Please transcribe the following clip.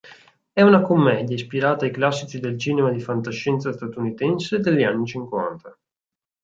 È una commedia ispirata ai classici del cinema di fantascienza statunitense degli anni cinquanta.